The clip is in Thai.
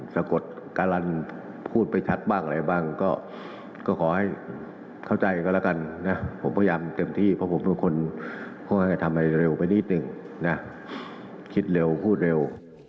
ว่าทำให้เร็วไปนิดนึงนะคิดเร็วพูดเร็ว